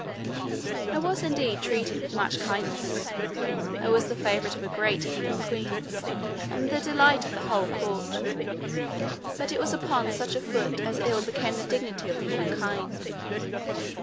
I was indeed treated with much kindness: I was the favourite of a great king and queen, and the delight of the whole court; but it was upon such a foot as ill became the dignity of humankind.